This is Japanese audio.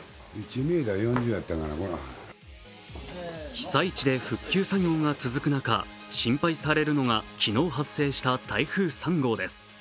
被災地で復旧作業が続く中、心配されるのが昨日発生した台風３号です。